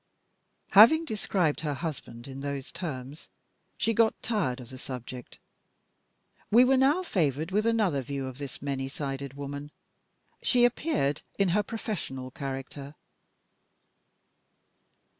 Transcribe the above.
Having described her husband in those terms, she got tired of the subject. We were now favored with another view of this many sided woman. She appeared in her professional character.